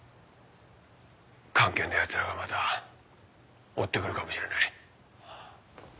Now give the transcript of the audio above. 菅研のヤツらがまた追って来るかもしれない。